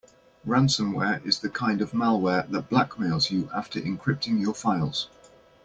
Ransomware is the kind of malware that blackmails you after encrypting your files.